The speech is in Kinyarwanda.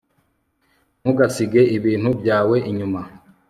ntugasige ibintu byawe inyuma